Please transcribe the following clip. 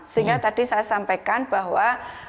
sehingga tadi saya sampaikan bahwa